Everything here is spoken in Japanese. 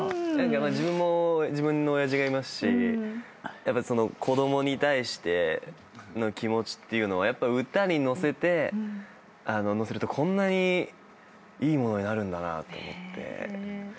自分も自分の親父がいますし子供に対しての気持ちって歌に乗せるとこんなにいいものになるんだなと思って。